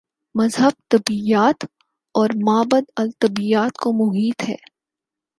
مذہب طبیعیات اور مابعدالطبیعیات کو محیط ہے۔